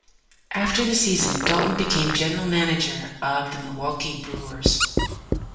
After the season, Dalton became general manager of the Milwaukee Brewers.